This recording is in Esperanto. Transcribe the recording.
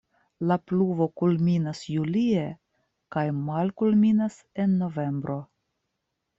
La pluvo kulminas julie kaj malkulminas en novembro.